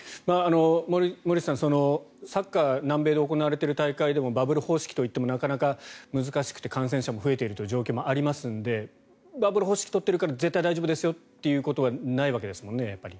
森内さん、サッカー南米で行われている大会でもバブル方式といってもなかなか難しくて感染者が増えている状況もありますのでバブル方式を取っているから絶対大丈夫ですよということはないわけですよね。